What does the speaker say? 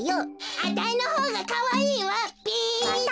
あたいのほうがかわいいわべだ！